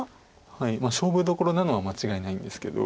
勝負どころなのは間違いないんですけど。